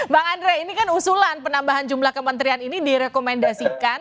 bang andre ini kan usulan penambahan jumlah kementerian ini direkomendasikan